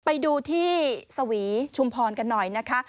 ไปดูที่สวีชุมพรกันหน่อยนะคะ